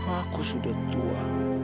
aku sudah tua